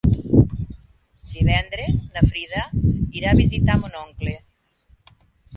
Divendres na Frida irà a visitar mon oncle.